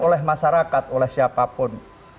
oleh masyarakat oleh siapapun